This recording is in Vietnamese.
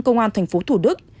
công an thành phố thủ đức